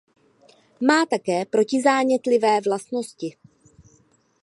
Má také protizánětlivé vlastnosti.